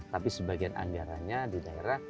tapi sebagian anggarannya di daerah